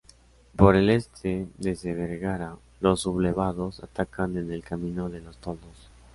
Por el este, desde Vergara, los sublevados atacan en el camino de los Toldos.